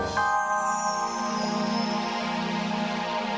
terima kasih bu